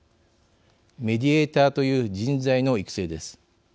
メディエーターという人材の育成です。